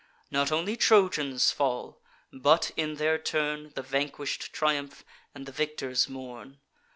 Not only Trojans fall; but, in their turn, The vanquish'd triumph, and the victors mourn.